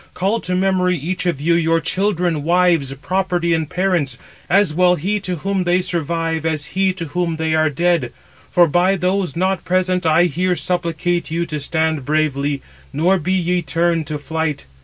Call to memory, each of you, your children, wives, property, and parents, as well he to whom they survive as he to whom they are dead; for by those not present I here supplicate you to stand bravely, nor be ye turned to flight."